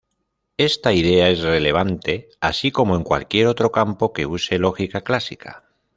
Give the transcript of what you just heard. Esta idea es relevante, así como en cualquier otro campo que use lógica clásica.